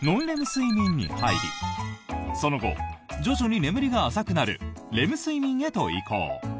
睡眠に入りその後、徐々に眠りが浅くなるレム睡眠へと移行。